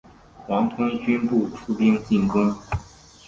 王通均不出兵进攻。